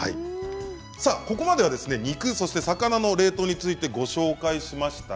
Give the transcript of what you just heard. ここまでは肉や魚の冷凍についてご紹介しました。